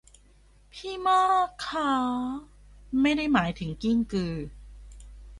พี่มากขา ไม่ได้หมายถึงกิ้งกือ